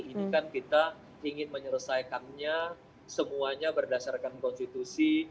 ini kan kita ingin menyelesaikannya semuanya berdasarkan konstitusi